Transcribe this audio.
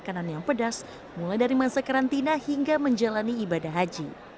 makanan yang pedas mulai dari masa karantina hingga menjalani ibadah haji